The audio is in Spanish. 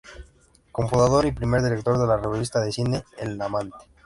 Cofundador y primer director de la revista de cine "El Amante".